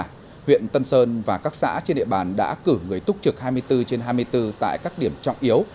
trước đó huyện tân sơn và các xã trên địa bàn đã cử người túc trực hai mươi bốn trên hai mươi bốn tại các điểm trọng yếu